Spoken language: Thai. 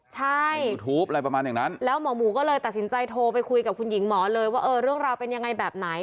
ใช่แล้วหมอหมูก็เลยตัดสินใจโทรไปคุยกับคุณหญิงหมอเลยว่าเออเรื่องราวเป็นยังไงแบบไหน